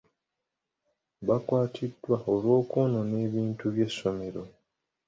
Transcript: Baakwatiddwa olw'okwonoona ebintu by'essomero.